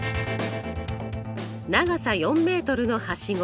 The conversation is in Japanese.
長さ４ｍのはしご